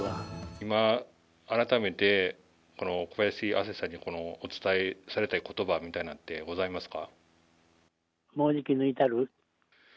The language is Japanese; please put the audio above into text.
今、改めて小林亜星さんにお伝えされたいことばなんてございますか？